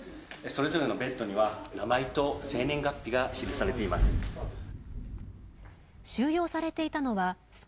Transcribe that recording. それぞれのベッドには名前と生年月日が記されています。